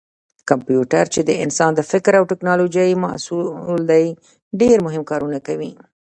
کمپیوټر چې د انسان د فکر او ټېکنالوجۍ محصول دی ډېر مهم کارونه کوي.